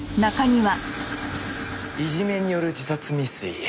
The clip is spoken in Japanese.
いじめによる自殺未遂。